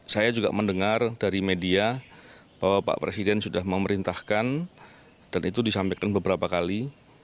saya juga mendengar dari media bahwa pak presiden sudah memerintahkan dan itu disampaikan beberapa kali